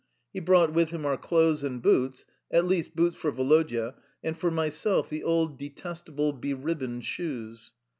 He brought with him our clothes and boots at least, boots for Woloda, and for myself the old detestable, be ribanded shoes.